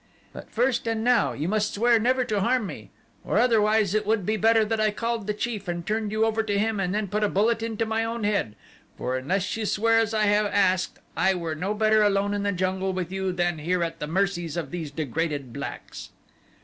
"But first and now you must swear never to harm me, or otherwise it would be better that I called the chief and turned you over to him and then put a bullet into my own head, for unless you swear as I have asked I were no better alone in the jungle with you than here at the mercies of these degraded blacks."